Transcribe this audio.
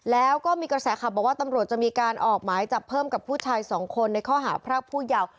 แล้วก็มีกระแสขับบอกว่าตำรวจจะมีการออกหมายจับเพิ่มกับผู้ชายสองคนในข้อหาพรากผู้เยาว์